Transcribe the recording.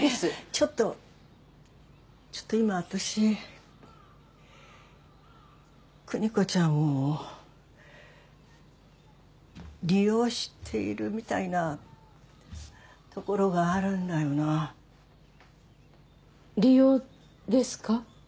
ちょっとちょっと今私邦子ちゃんを利用しているみたいなところがあるんだよな利用ですか？